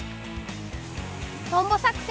トンボ作戦。